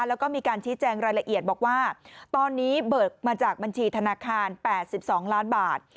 แล้วก็มีการชี้แจงรายละเอียดบอกว่าตอนนี้เบิกมาจากบัญชีธนาคาร๘๒ล้านบาท